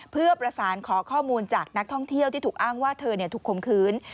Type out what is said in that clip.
เพื่อประสานขอข้อมูลจากนักท่องเที่ยวที่ถูกอ้างว่าเธอถูกคมคืน